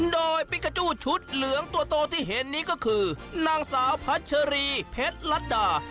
โดยปิกาจู้ชุดเหลืองตัวโตที่เห็นนี้ก็คือนางสาวพัชรีเพชรลัดดา